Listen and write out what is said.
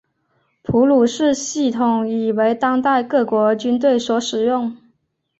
普鲁士系统已为当代各国军队所使用。